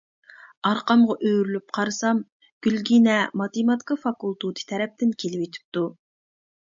ئارقامغا ئۆرۈلۈپ قارىسام گۈلگىنە ماتېماتىكا فاكۇلتېتى تەرەپتىن كېلىۋېتىپتۇ.